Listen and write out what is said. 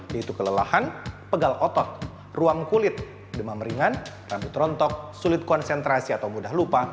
yaitu kelelahan pegal otot ruang kulit demam ringan rambut rontok sulit konsentrasi atau mudah lupa